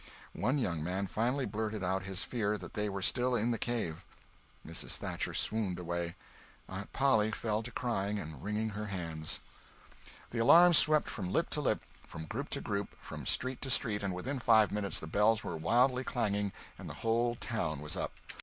One young man finally blurted out his fear that they were still in the cave! Mrs. Thatcher swooned away. Aunt Polly fell to crying and wringing her hands. The alarm swept from lip to lip, from group to group, from street to street, and within five minutes the bells were wildly clanging and the whole town was up!